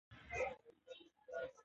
د ژوند موخه د خوبونو تعقیب دی.